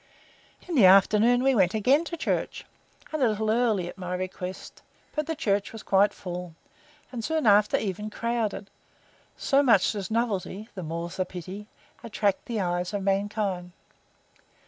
In the afternoon we went again to church, and a little early, at my request; but the church was quite full, and soon after even crowded; so much does novelty (the more's the pity!) attract the eyes of mankind.